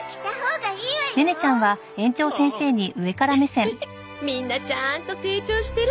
フフフみんなちゃんと成長してるってことね。